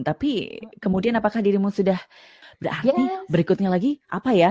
tapi kemudian apakah dirimu sudah berarti berikutnya lagi apa ya